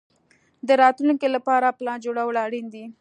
د راتلونکي لپاره پلان جوړول اړین دي.